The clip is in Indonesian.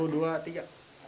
satu dua tiga